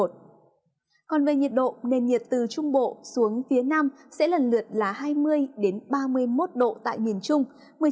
còn về nhiệt độ nền nhiệt từ trung bộ xuống phía nam sẽ lần lượt là hai mươi ba mươi một độ tại miền trung